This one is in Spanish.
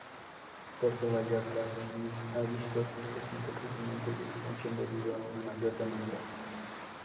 Puerto Vallarta ha visto el reciente crecimiento y expansión, debido a una mayor demanda.